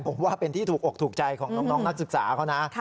ผมว่าเป็นที่ถูกอกถูกใจของน้องนักศึกษาเขานะ